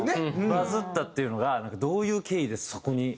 バズったっていうのがどういう経緯でそこに。